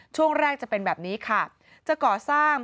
ช่วงแรกจะเป็นแบบนี้ค่ะจะก่อสร้าง